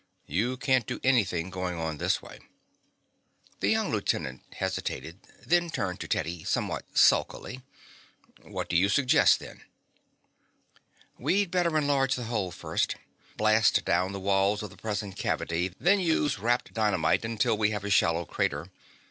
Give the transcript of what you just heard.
You can't do anything going on this way." The young lieutenant hesitated, then turned to Teddy somewhat sulkily. "What do you suggest, then?" "We'd better enlarge the hole first. Blast down the walls of the present cavity, then use wrapped dynamite until we have a shallow crater.